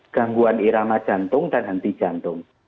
gangguan irama jantung dan henti jantung